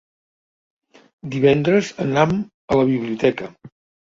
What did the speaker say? Divendres anam a la biblioteca.